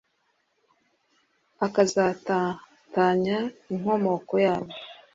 akazatatanya inkomoko yabo